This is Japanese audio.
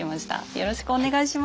よろしくお願いします。